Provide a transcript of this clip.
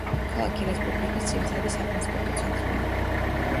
ქალაქი რესპუბლიკის ძირითადი სატრანსპორტო ცენტრია.